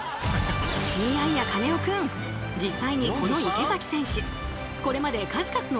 いやいやカネオくん実際にこの池崎選手